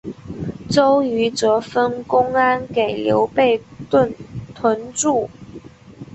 周瑜则分公安给刘备屯驻。